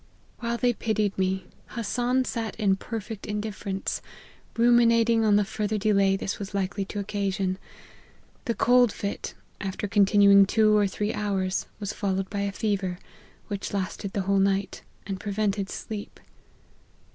While they pitied me, Hassan sat in perfect indifference, ruminating on 190 LIFE OF HENRY MARTYN. the further delay this was likely to occasion. The cold fit, after continuing two or three hours, was followed by a fever, which lasted the whole night, and prevented sleep.